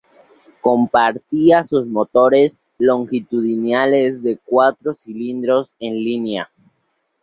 Compartía sus motores longitudinales de cuatro cilindros en línea.